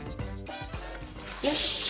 よし。